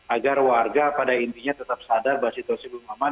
agar warga pada intinya tetap sadar bahwa situasi belum aman